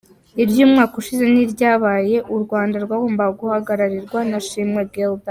Iry’umwaka ushize ntiryabaye, u Rwanda rwagombaga guhagararirwa na Shimwa Guelda.